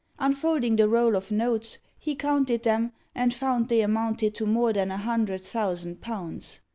Unfolding the roll of notes, he counted them, and found they amounted to more than a hundred thousand pounds.